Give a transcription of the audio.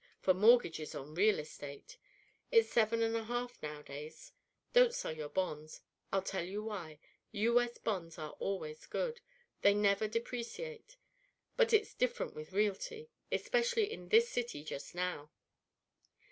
for mortgages on real estate; it's seven and a half nowadays. Don't sell your bonds. I'll tell you why: U.S. bonds are always good; they never depreciate, but it's different with realty, especially in this city just now.